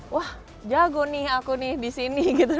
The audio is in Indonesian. wah jago nih aku nih di sini gitu